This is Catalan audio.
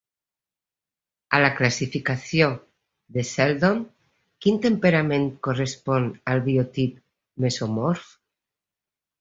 A la classificació de Sheldon, quin temperament correspon al biotip mesomorf?